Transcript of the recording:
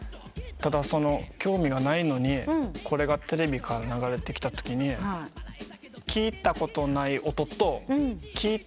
ただ興味がないのにこれがテレビから流れてきたときに聴いたことない音と聴いたことない歌唱方法。